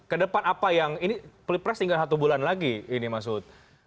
kedepan apa yang ini flip press tinggal satu bulan lagi ini masud